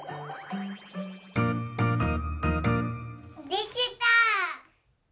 できた！